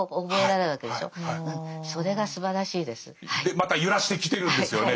また揺らしてきてるんですよね。